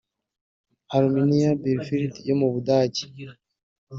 Arminia Bielefeld yo mu Budage